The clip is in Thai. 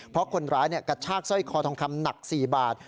เพราะคนร้ายกระชากสร้อยคอทองคำหนัก๔บาท